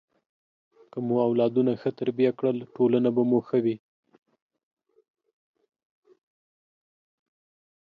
که مو اولادونه ښه تربیه کړل، ټولنه به مو ښه وي.